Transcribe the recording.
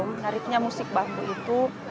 menariknya musik bambu itu